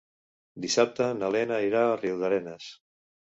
Dissabte na Lena irà a Riudarenes.